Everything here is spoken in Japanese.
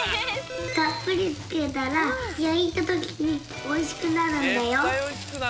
たっぷりつけたらやいたときにおいしくなるんだよ！